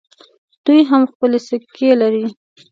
دوی هم خپلې سکې لرلې